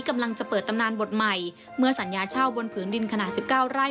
กำลังจะเปิดตำนานบทใหม่เมื่อสัญญาเช่าบนผืนดินขนาด๑๙ไร่